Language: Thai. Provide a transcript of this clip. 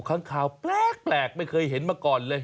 ค้างข่าวแปลกไม่เคยเห็นมาก่อนเลย